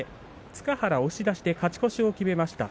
塚原、押し出しで勝ち越しを決めました。